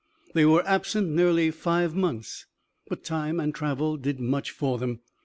They were absent nearly five months, but time and travel did much for them.